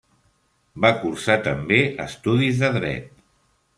Va cursar també estudis de Dret.